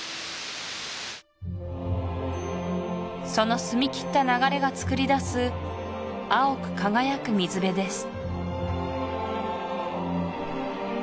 その澄み切った流れがつくりだす青く輝く水辺です